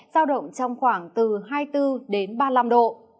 giao động trong khoảng từ hai mươi bốn đến ba mươi năm độ